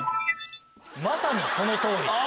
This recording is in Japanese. まさにその通り。